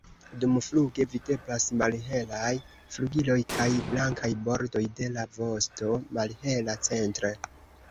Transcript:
Dumfluge videblas malhelaj flugiloj kaj blankaj bordoj de la vosto, malhela centre.